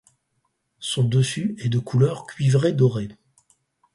Son dessus est de couleur cuivré doré.